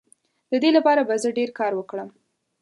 د دې لپاره به زه ډیر کار وکړم.